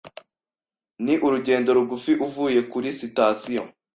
Ni urugendo rugufi uvuye kuri sitasiyo.